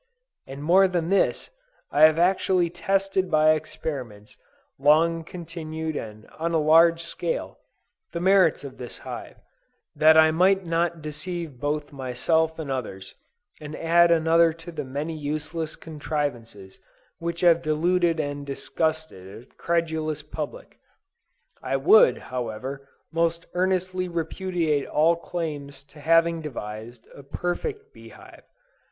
And more than this, I have actually tested by experiments long continued and on a large scale, the merits of this hive, that I might not deceive both myself and others, and add another to the many useless contrivances which have deluded and disgusted a credulous public. I would, however, most earnestly repudiate all claims to having devised a "perfect bee hive."